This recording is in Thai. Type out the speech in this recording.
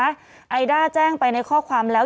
ไอด้าแจ้งไปในข้อความแล้ว